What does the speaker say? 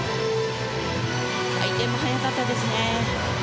回転も速かったですね。